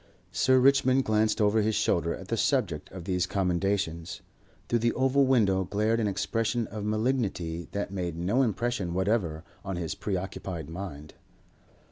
Sir Richmond glanced over his shoulder at the subject of these commendations. Through the oval window glared an expression of malignity that made no impression whatever on his preoccupied mind.